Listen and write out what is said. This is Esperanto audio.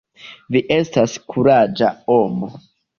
Vi estas kuraĝa homo.